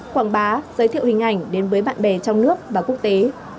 quảng bá giới thiệu hình ảnh đến với bạn bè trong nước và quốc tế